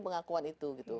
pengakuan itu gitu